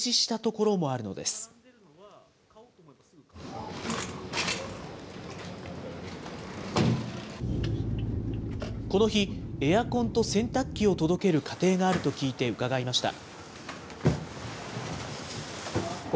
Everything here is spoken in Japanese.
この日、エアコンと洗濯機を届ける家庭があると聞いて伺いました。